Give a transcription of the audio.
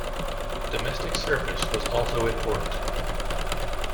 Domestic service was also important.